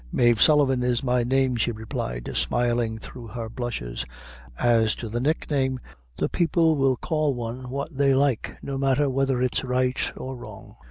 "Mave Sullivan is my name," she replied, smiling through her blushes: "as to the nickname, the people will call one what they like, no matther whether it's right or wrong."